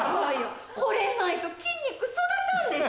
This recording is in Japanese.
これないと筋肉育たんでしょ。